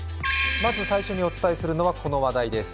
まず最初にお伝えするのは、この話題です。